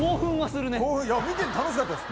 見てて楽しかったです。